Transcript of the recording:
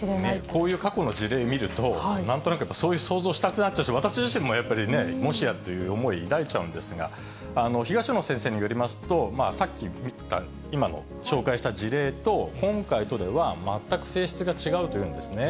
こういう過去の事例見ると、なんとなくそういう想像したくなってしまう、私自身もやっぱりね、もしやという思い、抱いちゃうんですが、東野先生によりますと、さっき言った、今の紹介した事例と、今回とでは、全く性質が違うというんですね。